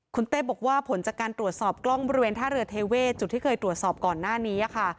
คุณเต้บอกว่าผลจากการตรวจสอบกล้องบริเวณท่าเรือเทเวศจุดที่เคยตรวจสอบก่อนหน้านี้ค่ะ